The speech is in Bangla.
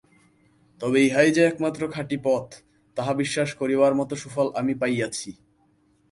তবে ইহাই যে একমাত্র খাঁটি পথ, তাহা বিশ্বাস করিবার মত সুফল আমি পাইয়াছি।